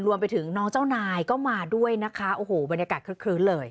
รวมไปถึงน้องเจ้านายก็มาด้วยนะคะโอ้โหบรรยากาศคึกคลื้นเลย